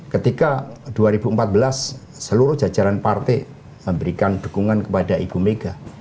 ketika dua ribu empat belas seluruh jajaran partai memberikan dukungan kepada ibu mega